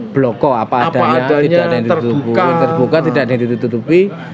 bloko apa adanya tidak ada yang ditutupi